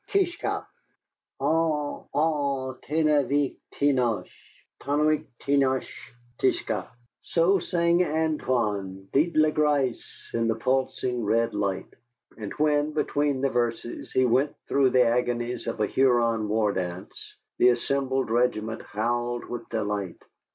Ouich' ka! Ah! ah! tenaouich' tenaga, Tenaouich' tenaga, ouich' ka!" So sang Antoine, dit le Gris, in the pulsing red light. And when, between the verses, he went through the agonies of a Huron war dance, the assembled regiment howled with delight.